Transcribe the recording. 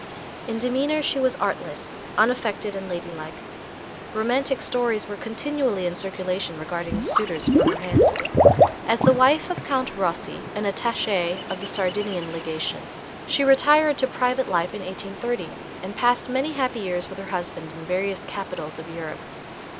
In demeanor she was artless, unaffected and ladylike. Romantic stories were continually in circulation regarding suitors for her hand. As the wife of Count Rossi, an attaché of the Sardinian legation, she retired to private life in 1830, and passed many happy years with her husband in various capitols of Europe.